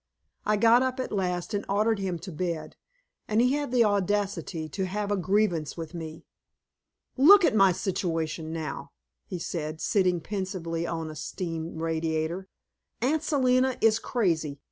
I got up at last and ordered him to bed, and he had the audacity to have a grievance with me. "Look at my situation now!" he said, sitting pensively on a steam radiator. "Aunt Selina is crazy.